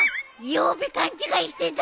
曜日勘違いしてた。